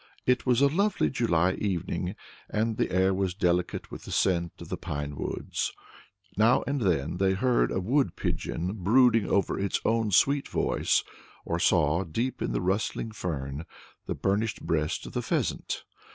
It was a lovely July evening, and the air was delicate with the scent of the pinewoods. Now and then they heard a wood pigeon brooding over its own sweet voice, or saw, deep in the rustling fern, the burnished breast of the pheasant.